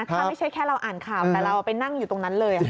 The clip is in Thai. ถ้าไม่ใช่แค่เราอ่านข่าวแต่เราไปนั่งอยู่ตรงนั้นเลย